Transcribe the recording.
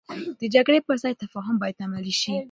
د جګړې پر ځای تفاهم باید عملي شي.